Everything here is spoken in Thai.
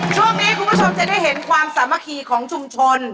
ช่วงนี้คุณผู้ชมจะได้เห็นความสามัคคีของชุมชน